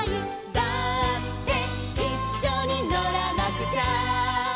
「だっていっしょにのらなくちゃ」